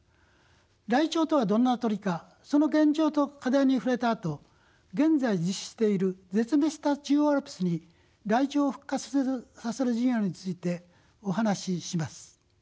ライチョウとはどんな鳥かその現状と課題に触れたあと現在実施している絶滅した中央アルプスにライチョウを復活させる事業についてお話しします。